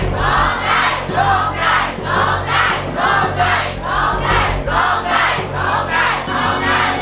ร้องได้ร้องได้ร้องได้ร้องได้ร้องได้